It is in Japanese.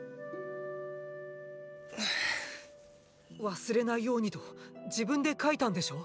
忘れないようにと自分で書いたんでしょう？